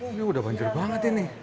ini udah mancur banget ini